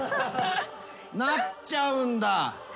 なっちゃうんだ。